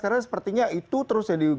karena sepertinya itu terus yang digaungkan